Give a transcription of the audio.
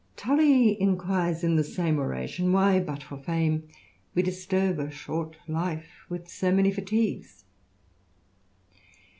Tully enquires, in the same oration, why, but for fame, '^'e disturb a short life with so many fatigues